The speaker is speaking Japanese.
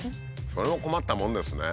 それも困ったもんですね。